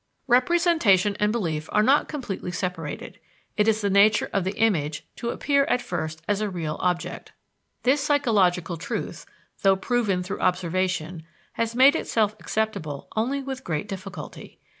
Representation and belief are not completely separated; it is the nature of the image to appear at first as a real object. This psychological truth, though proven through observation, has made itself acceptable only with great difficulty.